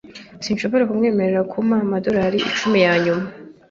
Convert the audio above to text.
Sinshobora kukwemerera kumpa amadorari icumi yanyuma.